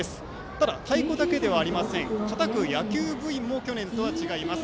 ただ太鼓だけではなくたたく野球部員も去年とは違います。